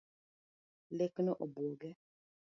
Lek no obuoge